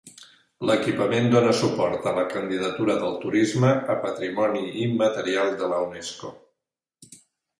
L'equipament dóna suport a la candidatura del Turisme a patrimoni immaterial de la Unesco.